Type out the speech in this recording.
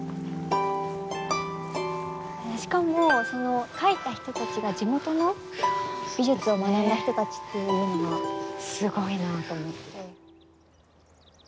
しかもその描いた人たちが地元の美術を学んだ人たちっていうのがすごいなと思って。